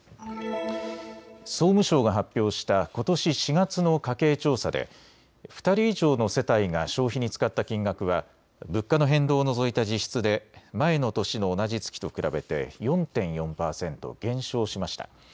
総務省が発表したことし４月の家計調査で２人以上の世帯が消費に使った金額は物価の変動を除いた実質で前の年の同じ月と比べて４．４％減少しました。